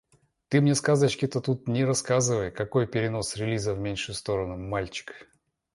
Ты мне сказочки-то тут не рассказывай! Какой перенос релиза в меньшую сторону, мальчик?